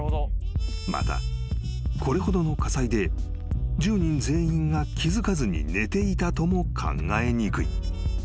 ［またこれほどの火災で１０人全員が気付かずに寝ていたとも考えにくい］